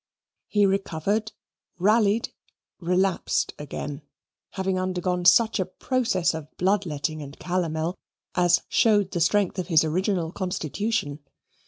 He recovered, rallied, relapsed again, having undergone such a process of blood letting and calomel as showed the strength of his original constitution.